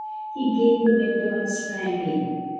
He gained the window and sprang in.